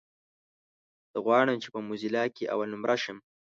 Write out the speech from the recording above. زه غواړم چې په موزيلا کې اولنومره شم.